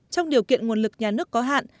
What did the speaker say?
trong điều kiện nguồn lực nhà nước có hạn